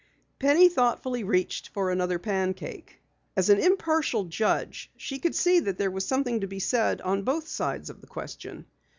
Penny thoughtfully reached for another pancake. As an impartial judge she could see that there was something to be said on both sides of the question.